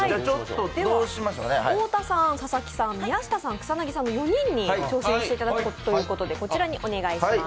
太田さん、佐々木さん、宮下さん草薙さんの４人に挑戦していただくということで、こちらにお願いします。